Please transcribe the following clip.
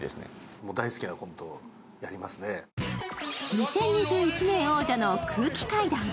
２０２１年王者の空気階段。